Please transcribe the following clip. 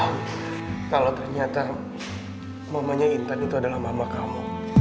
aku gak tau kalau ternyata mamanya intan itu adalah mama kamu